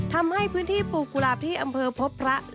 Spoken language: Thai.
ทำให้พื้นที่ปลูกกุหลาบที่อำเภอพบพระ